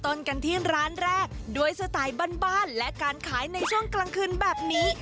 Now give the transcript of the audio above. กันที่ร้านแรกด้วยสไตล์บ้านและการขายในช่วงกลางคืนแบบนี้